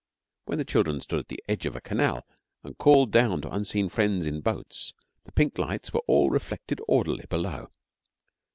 When the children stood at the edge of a canal and called down to unseen friends in boats the pink lights were all reflected orderly below.